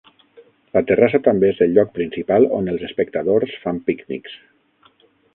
La terrassa també és el lloc principal on els espectadors fan pícnics.